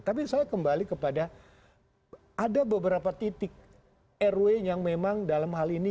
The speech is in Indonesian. tapi saya kembali kepada ada beberapa titik rw yang memang dalam hal ini